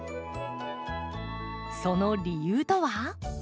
その理由とは？